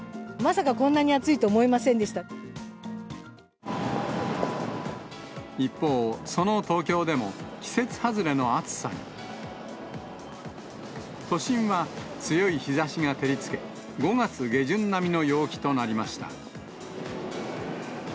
まさかこんなに暑いと思いま一方、その東京でも、季節外れの暑さに。都心は強い日ざしが照りつけ、５月下旬並みの陽気となりました。